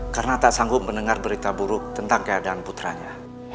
karena tak sanggup mendengar berita buruk tentang keadaan putranya